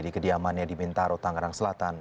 di kediamannya di bintaro tangerang selatan